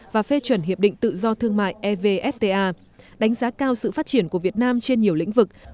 và phê chuẩn hiệp định tự do thương mại evfta đánh giá cao sự phát triển của việt nam trên nhiều lĩnh vực